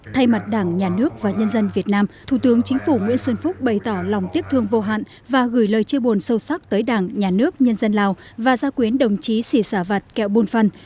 thay mặt đảng nhà nước và nhân dân việt nam thủ tướng chính phủ nguyễn xuân phúc bày tỏ lòng tiếc thương vô hạn và gửi lời chia buồn sâu sắc tới đảng nhà nước nhân dân lào và gia quyến đồng chí sĩ xã vạt kẹo bùn phan